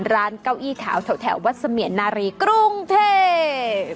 ร้านเก้าอี้ขาวแถววัดเสมียนนารีกรุงเทพ